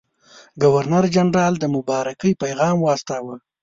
ګورنرجنرال د مبارکۍ پیغام واستاوه.